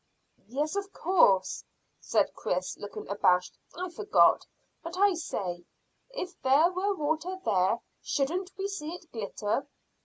"Yes, of course," said Chris, looking abashed. "I forgot. But, I say, if there were water there, shouldn't we see it glitter?"